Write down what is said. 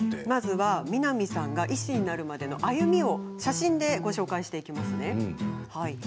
まずは南さんが医師になるまでの歩みを写真でご紹介していきますね。